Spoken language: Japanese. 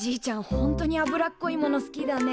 ほんとに脂っこいもの好きだね。